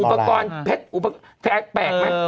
ไอ้พวกอุปกรณ์เพชรแปลกไหม